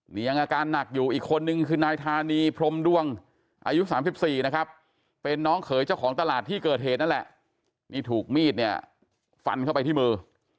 นี่ยังอาการหนักอยู่อีกคนนึงคือนายธานีพรมดวงอายุ๓๔นะครับเป็นน้องเขยเจ้าของตลาดที่เกิดเหตุนั่นแหละนี่ถูกมีดเนี่ยฟันเข้าไปที่มือ